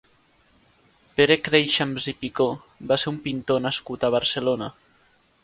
Pere Créixams i Picó va ser un pintor nascut a Barcelona.